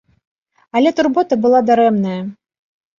Але турбота была дарэмная.